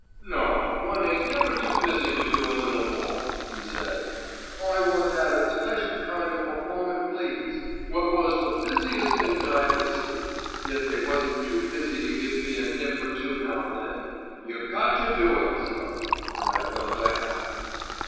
"No, one ain't never too busy to do a little bit more," he said. "I once 'ad a special kind o' performin' fleas, wot was the busiest things I ever seen; yet they wasn't too busy to give me a nip or two now and then. You got to do it, sir," and I felt I had.